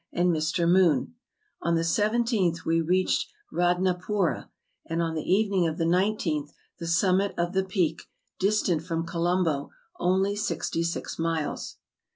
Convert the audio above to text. and Mr. Moon; on the T7th we reached Katnapoora, and on the evening of the 19th, the summit of the Peak, dis¬ tant from Colombo, only sixty six miles.